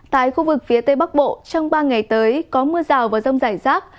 tại khu vực phía tây bắc bộ trong ba ngày tới có mưa rào và rông rải rác